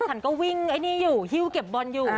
ฉันก็วิ่งไอ้นี่อยู่ฮิ้วเก็บบอลอยู่